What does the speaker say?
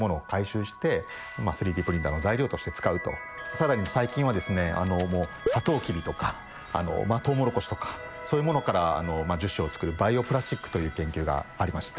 更に最近はですねもうサトウキビとかトウモロコシとかそういうモノから樹脂を作るバイオプラスチックという研究がありまして。